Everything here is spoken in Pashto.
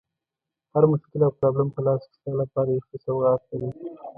هر مشکل او پرابلم په لاس کې ستا لپاره یو ښه سوغات لري.